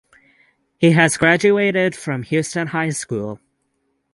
He has graduated from Houston High School.